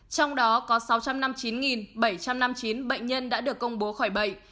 trong đó có sáu trăm năm mươi chín bảy trăm năm mươi chín bệnh nhân đã được công bố khỏi bệnh